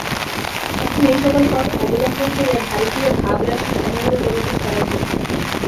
এখন এই-সকল পথ অবলম্বন করিয়া ভারতীয় ভাবরাশি সমগ্র জগতে ছড়াইতে থাকিবে।